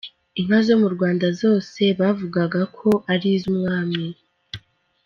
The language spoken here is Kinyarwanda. Inka zo mu Rwanda zose bavugaga ko ari iz’umwami.